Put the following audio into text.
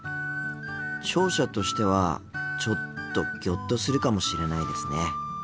聴者としてはちょっとギョッとするかもしれないですね。